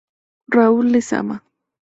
Raúl Lezama